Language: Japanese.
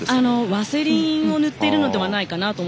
ワセリンを塗っているのではないかと。